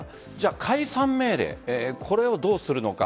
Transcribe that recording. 解散命令、これをどうするのか。